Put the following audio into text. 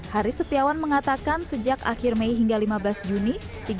hari setiawan mengatakan sejak akhir mei hingga lima belas juni